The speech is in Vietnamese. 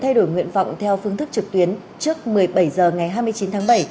thay đổi nguyện vọng theo phương thức trực tuyến trước một mươi bảy h ngày hai mươi chín tháng bảy